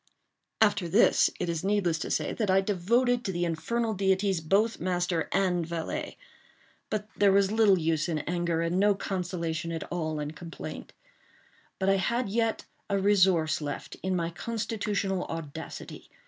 After this, it is needless to say, that I devoted to the infernal deities both master and valet:—but there was little use in anger, and no consolation at all in complaint. But I had yet a resource left, in my constitutional audacity.